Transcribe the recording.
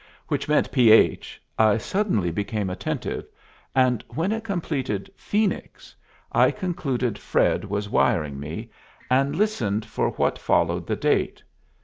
which meant ph, I suddenly became attentive, and when it completed "Phoenix" I concluded Fred was wiring me, and listened for what followed the date.